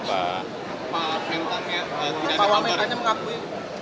pak wamentanya mengakui